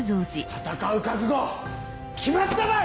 戦う覚悟決まったばい！